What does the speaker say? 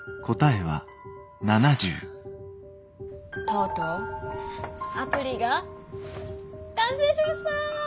とうとうアプリが完成しました！